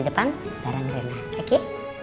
ya mau harus orang handi